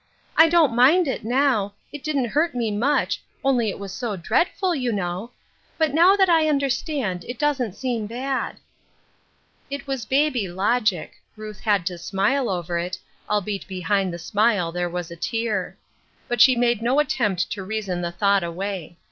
I don't mind it now ; it didn't hurt me much, only it was so dreadful, you "the deed for the will. 147 know. But now that I understand, it doesn't seem bad." It was baby logic ; Ruth had to smile over it, albeit behind the smile there was a tear ; but she made no attempt to reason the thought away.